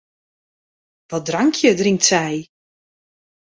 Wat drankje drinkt sy?